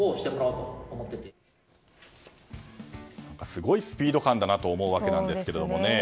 すごいスピード感だなと思うわけですけどもね。